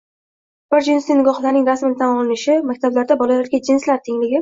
Bir jinsli nikohlarning rasman tan olinishi, maktablarda bolalarga «jinslar tengligi»